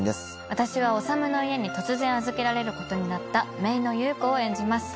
私は治の家に突然預けられることになっためいの優子を演じます。